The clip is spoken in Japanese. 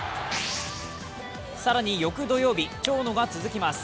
更に翌土曜日、長野が続きます。